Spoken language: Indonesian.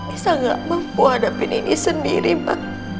isah gak mampu hadapin ini sendiri ma